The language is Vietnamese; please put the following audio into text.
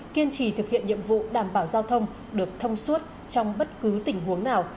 kiên trì thực hiện nhiệm vụ đảm bảo giao thông được thông suốt trong bất cứ tình huống nào